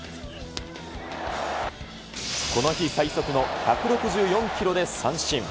この日最速の１６４キロで三振。